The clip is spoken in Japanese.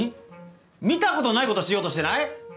見たことないことしようとしてない？